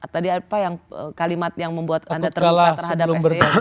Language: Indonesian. tadi apa kalimat yang membuat anda terluka terhadap sti